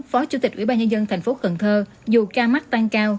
phó chủ tịch ủy ban nhân dân thành phố cần thơ dù ca mắc tăng cao